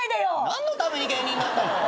何のために芸人なったの！？